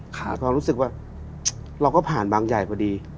เพราะรู้สึกว่าเราก็ผ่านบางใยพอดี